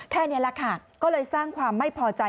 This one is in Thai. แค่นี้แหละค่ะก็เลยสร้างความไม่พอใจ